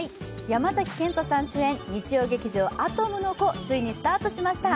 山崎賢人さん主演日曜劇場「アトムの童」、ついにスタートしました。